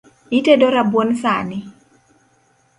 Itedo rabuon sani?